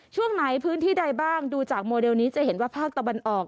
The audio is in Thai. ช่วงไหนพื้นที่ใดบ้างดูจากโมเดลนี้จะเห็นว่าภาคตะวันออก